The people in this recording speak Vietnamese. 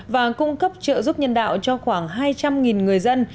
và cung cấp trợ giúp nhân đạo cho khoảng hai trăm linh người dân